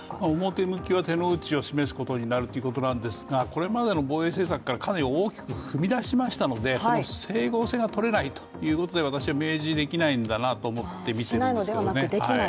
表向きは手の内を示すことになるってことなんですが、これまでの防衛政策からかなり大きく踏み出しましたので、整合性がとれないということで私は明示できないんだと思ってみているんですけど。